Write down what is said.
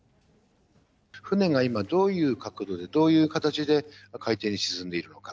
船が今、どういう角度で、どういう形で海底に沈んでいるのか。